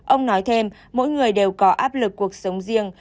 ông nói thêm mỗi người đều có áp lực cuộc sống riêng